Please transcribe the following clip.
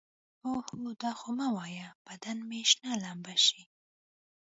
اوهو دا خو مه وايه بدن مې شنه لمبه شي.